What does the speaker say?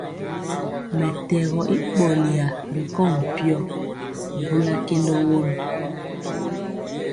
Mɛtɛgɔ i ɓɔlya ri kɔŋ mpyɔ, bula kendɔ won.